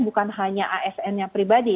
bukan hanya asn nya pribadi